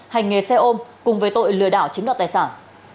hành nghề xe ôm cùng với tội lừa đảo chiếm đoạt tài sản